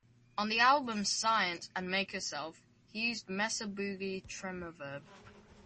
On the albums "Science" and "Make Yourself" he used a Mesa Boogie Tremoverb.